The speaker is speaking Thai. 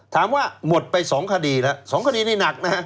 ถามว่าหมดไป๒คดีแล้ว๒คดีนี้หนักนะฮะ